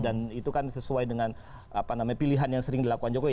dan itu kan sesuai dengan pilihan yang sering dilakukan jokowi